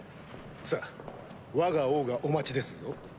さっわが王がお待ちですぞ。